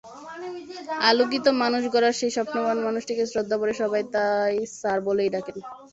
আলোকিত মানুষ গড়ার সেই স্বপ্নবান মানুষটিকে শ্রদ্ধাভরে সবাই তাই স্যার বলেই ডাকেন।